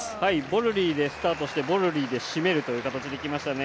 ボルリーでスタートしてボルリーで締めるという形できましたね。